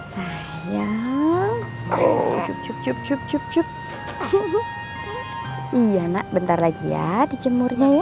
sayang iya nak bentar lagi ya dijemurnya ya